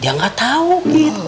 dia gak tau gitu